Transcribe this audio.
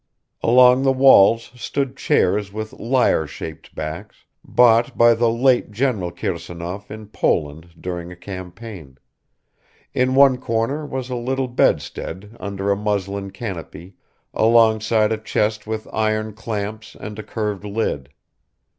Along the walls stood chairs with lyre shaped backs, bought by the late General Kirsanov in Poland during a campaign; in one corner was a little bedstead under a muslin canopy alongside a chest with iron clamps and a curved lid.